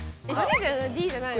「Ｄ」じゃないの？